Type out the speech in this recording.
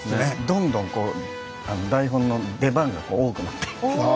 どんどんこう台本の出番が多くなっていく。